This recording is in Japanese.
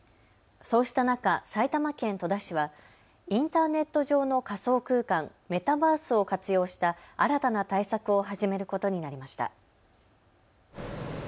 そうした中、埼玉県戸田市はインターネット上の仮想空間、メタバースを活用した新たな対策を始めることになりました。